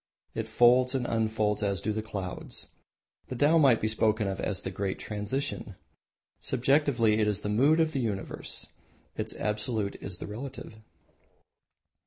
It folds and unfolds as do the clouds. The Tao might be spoken of as the Great Transition. Subjectively it is the Mood of the Universe. Its Absolute is the Relative.